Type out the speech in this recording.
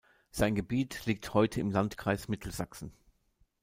Sein Gebiet liegt heute im Landkreis Mittelsachsen.